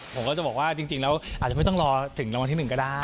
ผมก็จะบอกว่าจริงแล้วอาจจะไม่ต้องรอถึงรางวัลที่๑ก็ได้